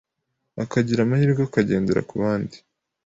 akagira amahirwe akagendera ku bandi,